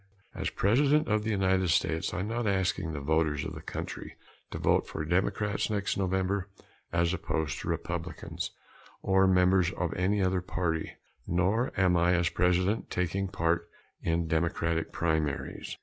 As President of the United States, I am not asking the voters of the country to vote for Democrats next November as opposed to Republicans or members of any other party. Nor am I, as President, taking part in Democratic primaries.